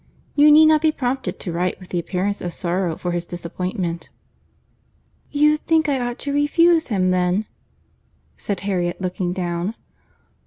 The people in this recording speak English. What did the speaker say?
You need not be prompted to write with the appearance of sorrow for his disappointment." "You think I ought to refuse him then," said Harriet, looking down.